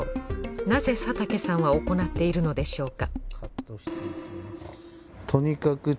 なぜ佐竹さんは行っているのでしょうか？